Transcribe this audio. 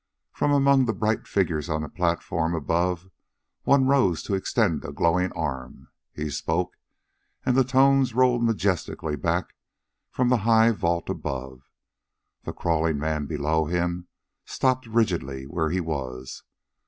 From among the bright figures on the platform above one rose to extend a glowing arm. He spoke, and the tones rolled majestically back from the high vault above. The crawling man below him stopped rigidly where he was.